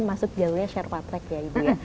masuk jalurnya sherpa track ya ibu ya